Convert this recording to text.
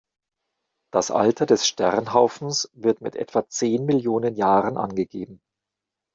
Das Alter des Sternhaufens wird mit etwa zehn Millionen Jahren angegeben.